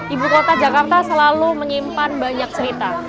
ibu kota jakarta selalu menyimpan banyak cerita